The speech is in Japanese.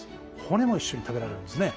骨も一緒に食べられるんですね。